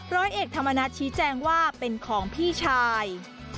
ร้อยเอกธรรมนัฐชี้แจงว่าเป็นของพี่ชาย